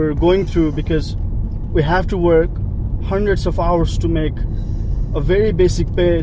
karena kita harus bekerja berjumlah berjumlah untuk membuat pembayaran yang sangat dasar